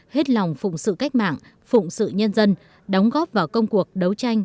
hết lòng phụng sự cách mạng phụng sự nhân dân đóng góp vào công cuộc đấu tranh